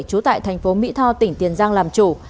trú tại thành phố mỹ tho tỉnh tiền giang làm chủ